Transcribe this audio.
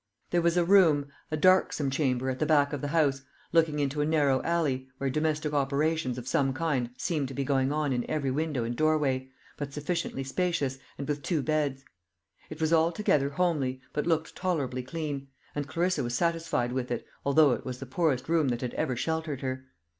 There was a room a darksome chamber at the back of the house looking into a narrow alley, where domestic operations of some kind seemed to be going on in every window and doorway, but sufficiently spacious, and with two beds. It was altogether homely, but looked tolerably clean; and Clarissa was satisfied with it, although it was the poorest room that had ever sheltered her.